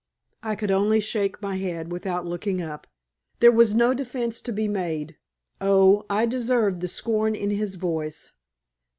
I could only shake my head without looking up. There was no defense to be made. Oh, I deserved the scorn in his voice.